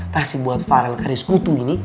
taksi buat farel karis kutu ini